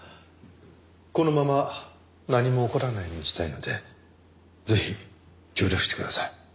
このまま何も起こらないようにしたいのでぜひ協力してください。